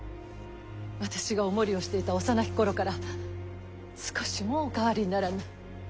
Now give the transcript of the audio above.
私がお守りをしていた幼き頃から少しもお変わりにならぬ。